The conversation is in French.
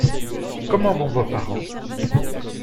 Comment vont vos parents ?